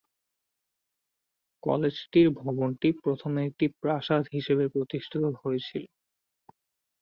কলেজটির ভবনটি প্রথমে একটি প্রাসাদ হিসাবে প্রতিষ্ঠিত হয়েছিল।